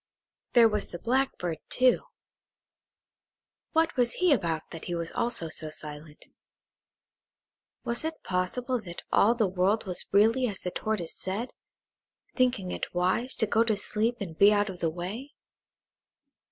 There was the Blackbird, too;–what was he about that he also was silent? Was it possible that all the world was really as the Tortoise said, thinking it wise to go to sleep and be out of the way?